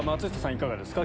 いかがですか？